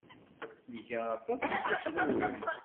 Nga aṭas n tuccḍiwin.